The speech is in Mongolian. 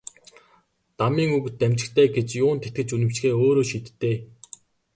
Дамын үг дамжигтай гэж юунд итгэж үнэмшихээ өөрөө шийд дээ.